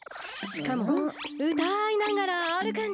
しかもうたいながらあるくんだ。